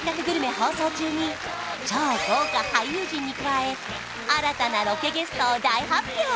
放送中に超豪華俳優陣に加え新たなロケゲストを大発表！